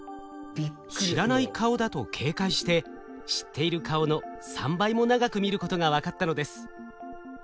知らない顔だと警戒して知っている顔の３倍も長く見ることが分かったのです。